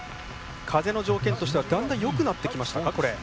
風の条件としては、だんだんよくなってきましたか、これ。